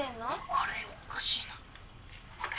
あれおかしいなあれ？